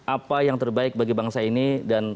apa yang terbaik bagi bangsa ini dan